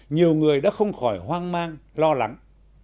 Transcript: nhiều người đã không khỏi hoang mang lo lắng